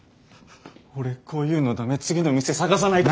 俺こういうの駄目次の店探さないと。